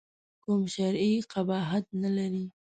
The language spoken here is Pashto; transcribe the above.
کوم شرعي قباحت نه لري.